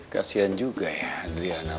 kasian juga ya adriana